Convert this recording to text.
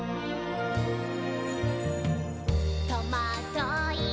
「とまどい」